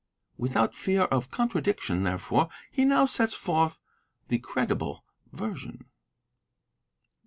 Without fear of contradiction, therefore, he now sets forth the credible version.